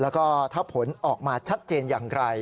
แล้วก็ถ้าผลออกมาชัดเจนอย่างไร